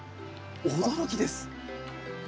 驚きです。